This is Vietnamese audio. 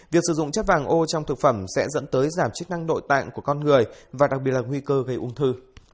việc sử dụng chất vàng o trong thực phẩm sẽ dẫn tới giảm chức năng nội tạng của con người và đặc biệt là nguy cơ gây ung thư